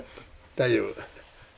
大丈夫。